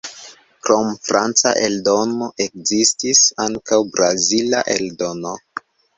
Krom franca eldono, ekzistis ankaŭ brazila eldono.